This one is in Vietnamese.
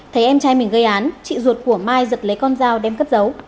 thấy em trai mình gây án chị ruột của mai giật lấy con dao đem cấp dấu